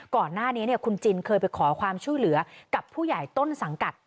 ก่อนหน้านี้คุณจินเคยไปขอความช่วยเหลือกับผู้ใหญ่ต้นสังกัด